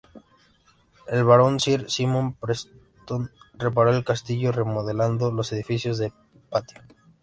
El barón, "sir" Simon Preston, reparo el castillo, remodelando los edificios del patio.